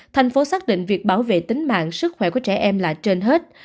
thành phố xác định việc bảo vệ tính mạng sức khỏe của trẻ em là trên hết